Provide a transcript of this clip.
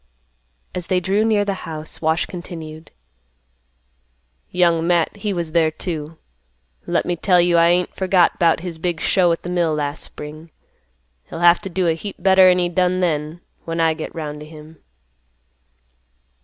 As they drew near the house, Wash continued, "Young Matt he was there too. Let me tell you I ain't forgot 'bout his big show at th' mill last spring; he'll have t' do a heap better'n he done then, when I get 'round t' him."